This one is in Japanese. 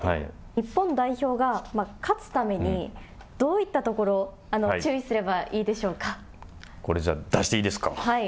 日本代表が勝つために、どういったところ、注意すればいいでしょこれ、じゃあ出していいですか。